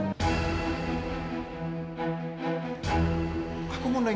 aku mau nanya ngerjain